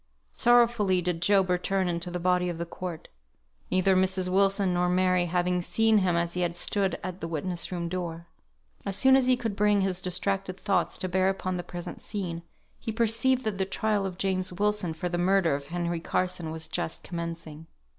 Sorrowfully did Job return into the body of the court; neither Mrs. Wilson nor Mary having seen him as he had stood at the witness room door. As soon as he could bring his distracted thoughts to bear upon the present scene, he perceived that the trial of James Wilson for the murder of Henry Carson was just commencing.